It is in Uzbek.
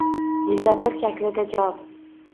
Yilda bir shaklida javob